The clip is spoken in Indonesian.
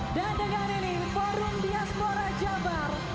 dan dengan ini forum diaspora jabar